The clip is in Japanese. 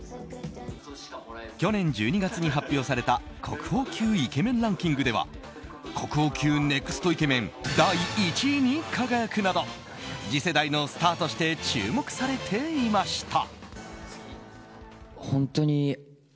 去年１２月に発表された国宝級イケメンランキングでは国宝級ＮＥＸＴイケメン第１位に輝くなど次世代のスターとして注目されていました。